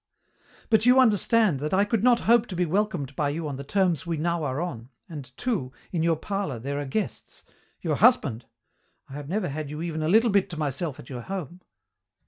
"But you understand that I could not hope to be welcomed by you on the terms we now are on, and too, in your parlour there are guests, your husband I have never had you even a little bit to myself at your home."